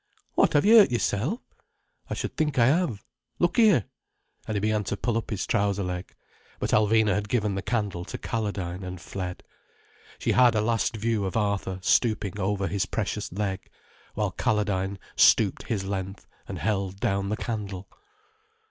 "What, have you hurt yourself?" "I should think I have. Look here—" And he began to pull up his trouser leg. But Alvina had given the candle to Calladine, and fled. She had a last view of Arthur stooping over his precious leg, while Calladine stooped his length and held down the candle.